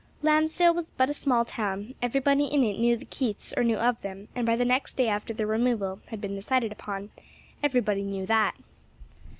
Lansdale was but a small town; everybody in it knew the Keiths or knew of them, and by the next day after their removal had been decided upon, everybody knew that.